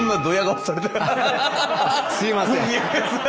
すいません。